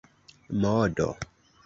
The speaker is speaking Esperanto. modo